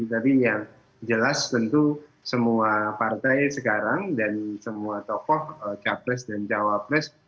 tapi yang jelas tentu semua partai sekarang dan semua tokoh capres dan cawapres